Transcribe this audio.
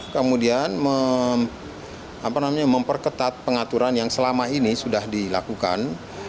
kemudian memperketat pengaturan yang selama ini sudah dilakukan